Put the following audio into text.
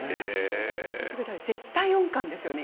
絶対音感ですよね。